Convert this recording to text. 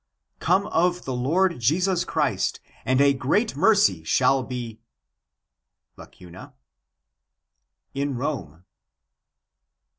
come of the Lord Jesus Christ and a great mercy shall be . in Rome."